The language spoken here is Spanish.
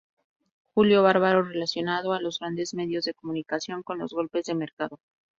Julio Bárbaro relaciona a los grandes medios de comunicación con los golpes de mercado.